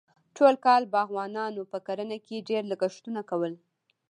ټول کال باغوانانو په کرنه کې ډېر لګښتونه کول.